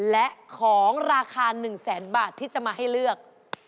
และของราคา๑แสนบาทที่จะมาให้เลือก